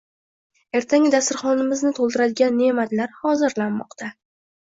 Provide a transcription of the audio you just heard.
Ertangi dasturxonimizni toʻldiradigan neʼmatlar hozirlanmoqda